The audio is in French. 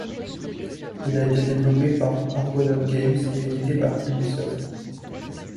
Il a été développé par Argonaut Games et édité par Ubisoft.